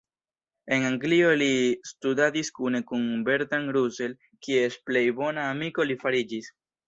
En Anglio li studadis kune kun Bertrand Russell, kies plej bona amiko li fariĝis.